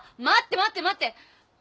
待って待って待って！